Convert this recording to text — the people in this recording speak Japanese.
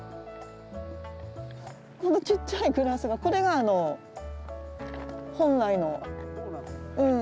このちっちゃいグラスがこれがあの本来のうん。